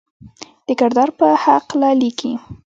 د کردار پۀ حقله ليکي: